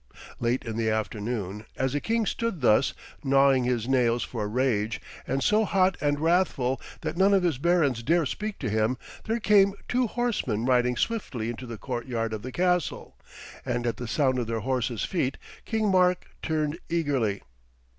Late in the afternoon, as the king stood thus, gnawing his nails for rage, and so hot and wrathful that none of his barons dare speak to him, there came two horsemen riding swiftly into the courtyard of the castle, and at the sound of their horses' feet King Mark turned eagerly.